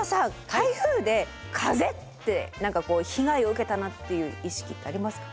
台風で風って何かこう被害を受けたなっていう意識ってありますか？